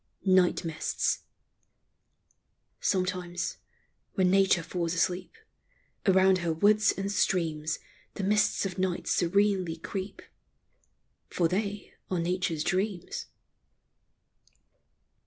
NIGHT MISTS. Sometimes, when Nature falls asleep, Around her woods and streams The mists of night serenely creep — For they are Nature's dreams.